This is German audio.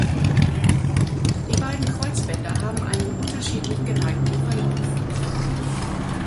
Die beiden Kreuzbänder haben einen unterschiedlich geneigten Verlauf.